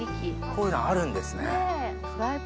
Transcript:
こういうのあるんですね。